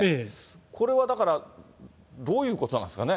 これはだから、どういうことなんですかね。